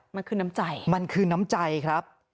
มันคือน้ำใจมันคือน้ำใจครับ